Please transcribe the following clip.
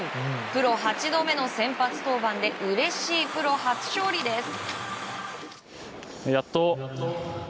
プロ８度目の先発登板でうれしいプロ初勝利です。